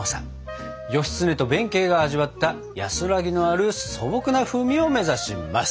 義経と弁慶が味わった安らぎのある素朴な風味を目指します！